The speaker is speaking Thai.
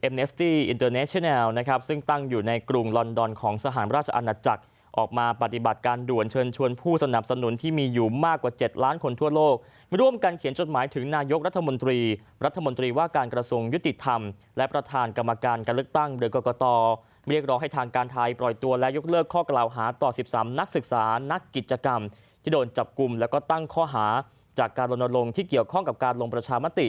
ไม่โดนจับกลุ่มและตั้งข้อหาจากการลนลงที่เกี่ยวข้องกับการลงประชามติ